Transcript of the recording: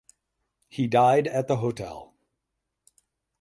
He died at the hotel.